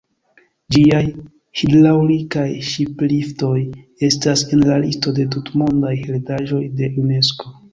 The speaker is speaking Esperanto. Ĝiaj hidraŭlikaj ŝipliftoj estas en la listo de tutmondaj heredaĵoj de Unesko.